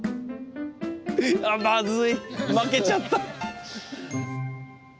あまずい。